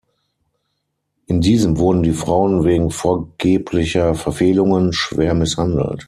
In diesem wurden die Frauen wegen vorgeblicher Verfehlungen schwer misshandelt.